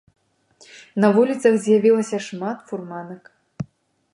На вуліцах з'явілася шмат фурманак.